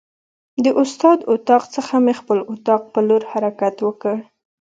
د استاد اتاق څخه مې خپل اتاق په لور حرکت وکړ.